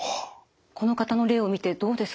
この方の例を見てどうですか？